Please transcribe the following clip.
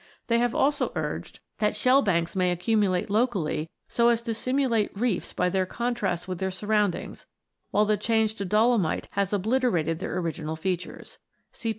They have also urged 28 ROCKS AND THEIR ORIGINS [CH. that shell banks may accumulate locally so as to simulate reefs by their contrast with their surround ings, while the change to dolomite has obliterated their original features (see p.